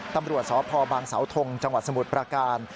ตำรวจสพบางสาวทงจังหวัดสมุทรประการ